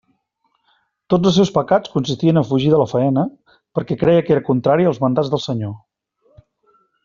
Tots els seus pecats consistien a fugir de la faena, perquè creia que era contrària als mandats del Senyor.